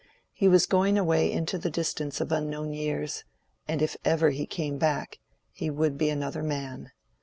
He was going away into the distance of unknown years, and if ever he came back he would be another man.